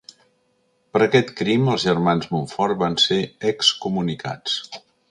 Per aquest crim els germans Montfort van ser excomunicats.